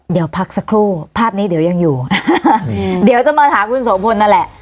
เดี๋ยวพักสักครู่ภาพนี้เดี๋ยวยังอยู่เดี๋ยวจะมาถามคุณโสพลนั่นแหละ